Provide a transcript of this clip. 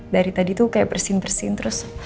dari tadi tuh kayak bersihin bersihin terus